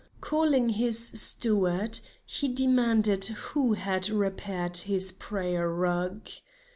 Calling his steward, he demanded who had repaired his prayer rug.